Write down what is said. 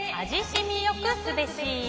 染みよくすべし。